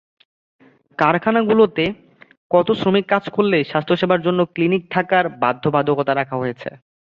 কারখানাগুলোতে কত শ্রমিক কাজ করলে স্বাস্থ্যসেবার জন্য ক্লিনিক থাকার বাধ্যবাধকতা রাখা হয়েছে?